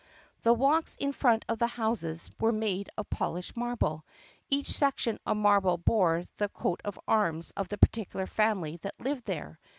The walks in front of the houses were made of polished marble. Each section of marble bore the coat of arms of the particular family that lived there.